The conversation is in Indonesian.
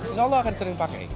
insya allah akan sering pakai